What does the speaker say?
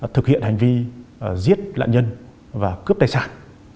thực hiện hành vi giết lạn nhân và cướp đại sản